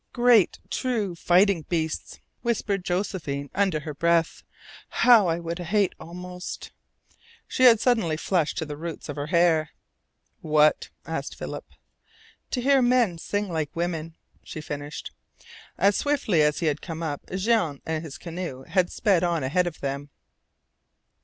"Great, true, fighting beasts," whispered Josephine under her breath. "How I would hate almost " She had suddenly flushed to the roots of her hair. "What?" asked Philip. "To hear men sing like women," she finished. As swiftly as he had come up Jean and his canoe had sped on ahead of them.